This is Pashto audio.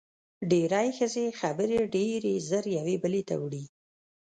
ډېری ښځې خبرې ډېرې زر یوې بلې ته وړي.